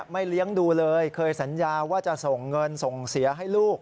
เลี้ยงดูเลยเคยสัญญาว่าจะส่งเงินส่งเสียให้ลูก